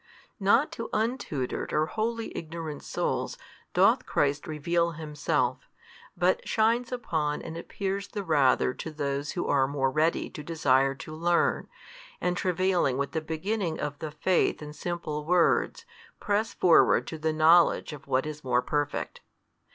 Not to untutored or wholly ignorant souls doth Christ reveal Himself, bat shines upon and appears the rather to those who are more ready to desire to learn, and travailing with the beginning of the faith in simple words, press forward to the knowledge of what is more perfect.